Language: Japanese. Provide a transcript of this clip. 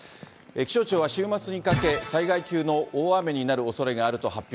気象庁は週末にかけ、災害級の大雨になるおそれがあると発表。